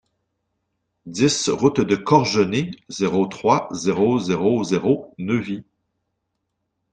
dix route de Corgenay, zéro trois, zéro zéro zéro, Neuvy